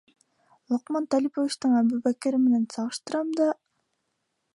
Лоҡман Талиповичтың Әбүбәкере менән сағыштырам да...